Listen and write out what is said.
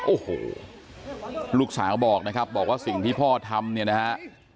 โอ้โหลูกสาวบอกนะครับบอกว่าสิ่งที่พ่อทำเนี่ยนะฮะ